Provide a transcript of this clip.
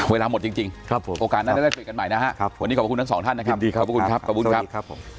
เวลาหมดจริงโอกาสนั้นได้คุยกันใหม่นะครับวันนี้ขอบคุณทั้งสองท่านนะครับขอบคุณครับขอบคุณครับผม